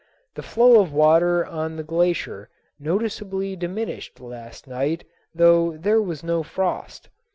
The flow of water on the glacier noticeably diminished last night though there was no frost.